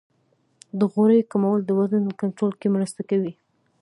د غوړیو کمول د وزن کنټرول کې مرسته کوي.